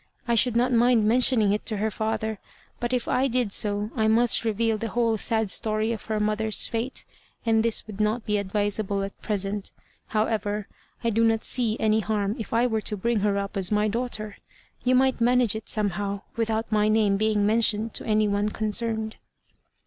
I should not mind mentioning it to her father, but if I did so, I must reveal the whole sad story of her mother's fate, and this would not be advisable at present; however, I do not see any harm if I were to bring her up as my daughter. You might manage it somehow without my name being mentioned to any one concerned."